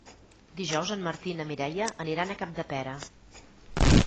Dijous en Martí i na Mireia aniran a Capdepera.